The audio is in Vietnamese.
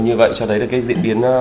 như vậy cho thấy cái diễn biến